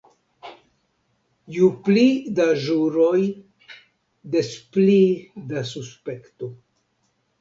Ju pli da ĵuroj, des pli da suspekto.